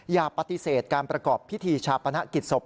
อย่าปฏิเสธการประกอบพิธีชาปนกิจศพ